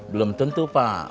belum tentu pak